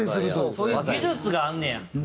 そういう技術があんねや。